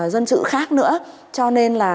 dân sự khác nữa cho nên là